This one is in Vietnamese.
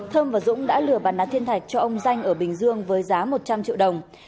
thơm và dũng đã lừa bán lá thiên thạch cho ông danh ở bình dương với giá một trăm linh triệu đồng